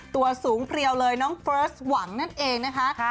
ตัวสูงเพลียวเลยน้องเฟิร์สหวังนั่นเองนะคะ